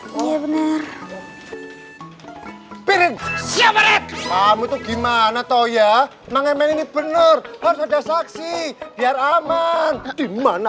siaparet kamu tuh gimana toya mengemen ini bener harus ada saksi biar aman dimana